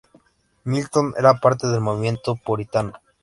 Milton era parte del movimiento puritano.